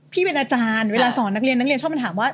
เป็นอาจารย์เวลาสอนนักเรียนนักเรียนชอบมาถามว่า